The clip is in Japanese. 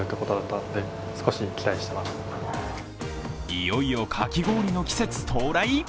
いよいよかき氷の季節到来？